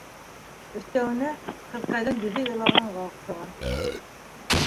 Өҫтәүенә, ҡыҙыҡайҙың йөҙө илағанға оҡшаған...